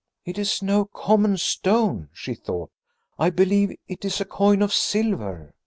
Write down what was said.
"It is no common stone," she thought. "I believe it is a coin of silver."